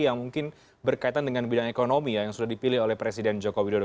yang mungkin berkaitan dengan bidang ekonomi yang sudah dipilih oleh presiden joko widodo